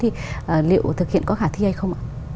thì liệu thực hiện có khả thi hay không ạ